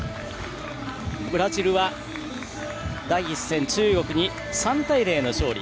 ブラジルは第１戦、中国に３対０の勝利。